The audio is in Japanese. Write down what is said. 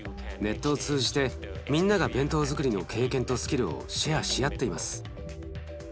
ネットを通じてみんなが弁当づくりの経験とスキルをシェアし合っています。